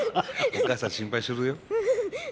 お母さん心配するよ。